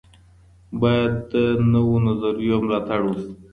باید د نویو نظریو ملاتړ وسي.